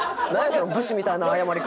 その武士みたいな謝り方。